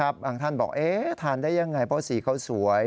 บางท่านบอกทานได้ยังไงเพราะสีเขาสวย